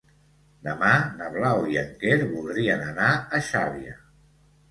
Demà na Blau i en Quer voldrien anar a Xàbia.